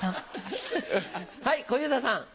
はい小遊三さん。